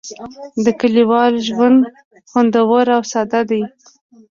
د کلیوال ژوند خوندور او ساده دی.